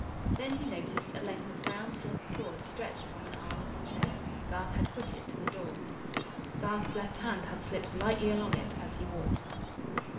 Then he noticed a length of brown silk cord stretched from an arm of the chair Garth had quitted to the door. Garth's left hand had slipped lightly along it as he walked.